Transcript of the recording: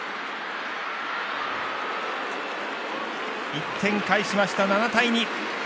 １点返しました、７対２。